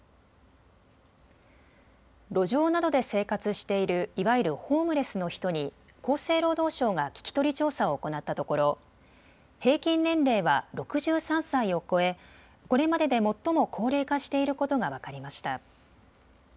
路上などで生活しているいわゆるホームレスの人に厚生労働省が聞き取り調査を行ったところ平均年齢は６３歳を超えこれまでで最も高齢化していることが分かりました。